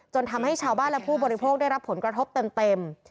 ทำให้ชาวบ้านและผู้บริโภคได้รับผลกระทบเต็ม